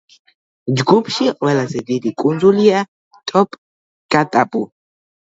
ჯგუფში ყველაზე დიდი კუნძულია ტონგატაპუ.